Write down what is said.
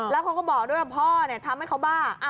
แล้วเขาก็บอกด้วยว่าพ่อทำให้เขาบ้า